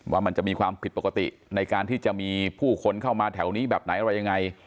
ว่ามันจะมีความผิดปกติในการที่จะมีผู้คนเข้ามาแถวนี้แบบไหนอะไรยังไง